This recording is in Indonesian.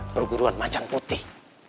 perguruan macang putih